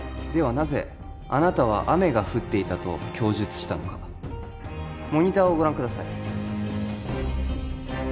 なぜあなたは雨が降っていたと供述したのかモニターをご覧ください